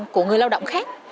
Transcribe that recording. của người lao động khác